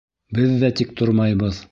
Беҙ ҙә тик тормайбыҙ.